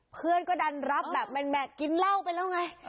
เพื่อนก็ดันรับแบบแม็กกินเหล้าไปแล้วไง